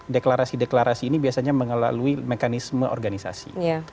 deklarasi deklarasi ini biasanya mengalami mekanisme organisasi